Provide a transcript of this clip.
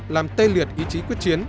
làm tê liệt ý chí quyết chiến